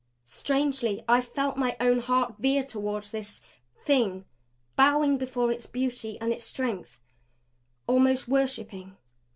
Strangely I felt my own heart veer toward this Thing; bowing before its beauty and its strength; almost worshiping!